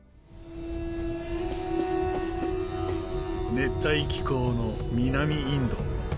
熱帯気候の南インド。